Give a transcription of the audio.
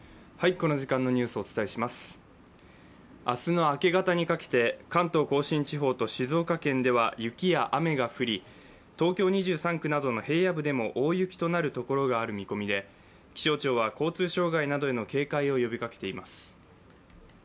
明日の明け方にかけて関東甲信地方と静岡県では雪や雨が降り、東京２３区などの平野部でも大雪となるところがある見込みで、気象庁は交通障害などへの警戒を呼びかけています。